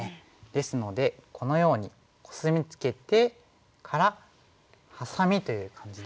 ですのでこのようにコスミツケてからハサミという感じで。